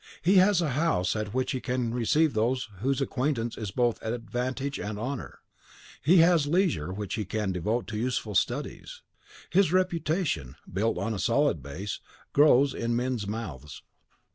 He has a house at which he can receive those whose acquaintance is both advantage and honour; he has leisure which he can devote to useful studies; his reputation, built on a solid base, grows in men's mouths.